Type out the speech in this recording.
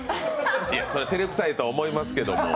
照れくさいとは思いますけど。